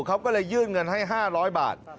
เขาก็เลยยื่นเงินให้๕๐๐บาท